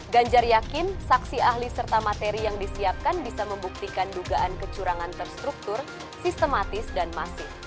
ganjar yakin saksi ahli serta materi yang disiapkan bisa membuktikan dugaan kecurangan terstruktur sistematis dan masif